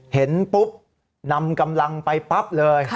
เห็นปุ๊บนำกำลังไปปั๊บเลย